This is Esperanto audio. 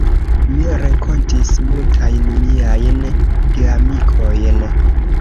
Mi renkontis multajn miajn geamikojn.